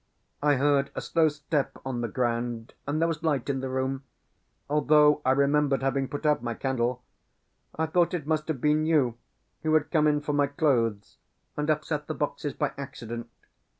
I heard a slow step on the ground, and there was light in the room, although I remembered having put out my candle. I thought it must have been you, who had come in for my clothes, and upset the boxes by accident.